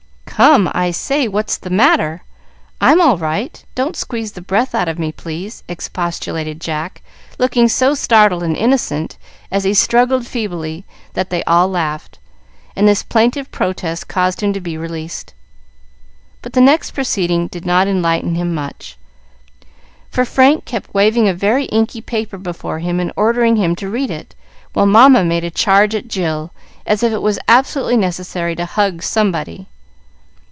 "Come, I say! What's the matter? I'm all right. Don't squeeze the breath out of me, please," expostulated Jack, looking so startled and innocent, as he struggled feebly, that they all laughed, and this plaintive protest caused him to be released. But the next proceeding did not enlighten him much, for Frank kept waving a very inky paper before him and ordering him to read it, while Mamma made a charge at Jill, as if it was absolutely necessary to hug somebody.